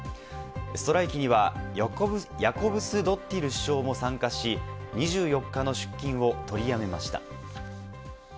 ストライキにはヤコブスドッティル首相も参加し、２４日の出勤を取りやめました。